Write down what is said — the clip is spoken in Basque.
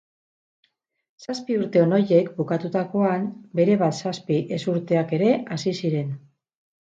Zazpi urte on horiek bukatutakoan, berebat zazpi ezurteak ere hasi ziren.